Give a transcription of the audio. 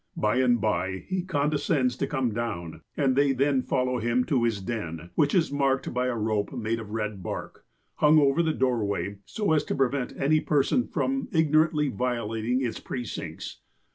By and by he condescends to come down, and they then follow him to his den, which is marked by a rope made of red bark, hung over the doorway, so as to prevent any person from ignorantly violating its precincts.